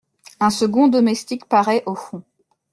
Un second domestique paraît au fond.